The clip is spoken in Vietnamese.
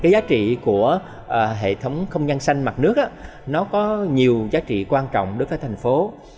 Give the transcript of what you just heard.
giá trị của hệ thống không gian xanh mặt nước có nhiều giá trị quan trọng đối với thành phố